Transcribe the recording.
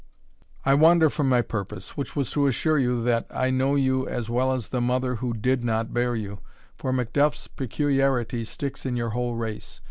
I wander from my purpose, which was to assure you, that I know you as well as the mother who did not bear you, for MacDuff's peculiarity sticks to your whole race.